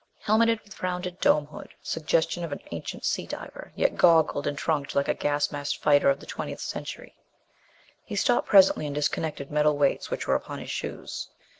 Helmeted, with rounded dome hood, suggestion of an ancient sea diver, yet goggled and trunked like a gas masked fighter of the twentieth century. He stopped presently and disconnected metal weights which were upon his shoes.